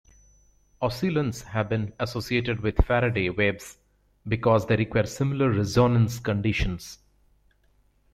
Oscillons have been associated with Faraday waves because they require similar resonance conditions.